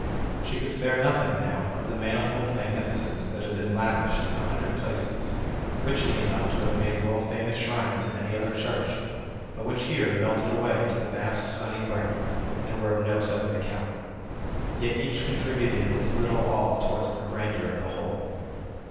She could spare nothing, now, of the manifold magnificence that had been lavished, in a hundred places, richly enough to have made world famous shrines in any other church, but which here melted away into the vast sunny breadth, and were of no separate account. Yet each contributed its little all towards the grandeur of the whole.